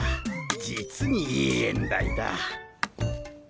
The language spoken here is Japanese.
実にいい縁台だ。